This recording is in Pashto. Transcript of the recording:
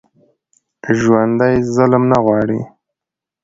ژوندي ظلم نه غواړي